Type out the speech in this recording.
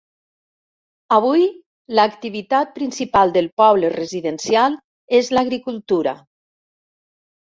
Avui, l'activitat principal del poble residencial és l'agricultura.